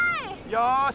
よし。